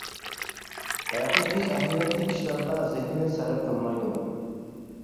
ھەقىقىي ئەھمىيەتلىك ئىشلارغا زېھنىنى سەرپ قىلمايدۇ.